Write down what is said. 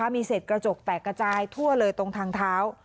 มีเศษกระจกแตกกระจายทั่วเลยตรงทางเท้า